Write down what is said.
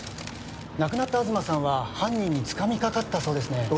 亡くなった東さんは犯人につかみかかったそうですね。